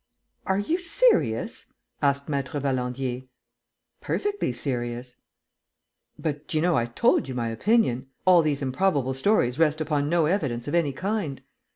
"Are you serious?" asked Maître Valandier. "Perfectly serious." "But, you know, I told you my opinion. All these improbable stories rest upon no evidence of any kind."